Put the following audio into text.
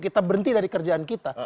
kita berhenti dari kerjaan kita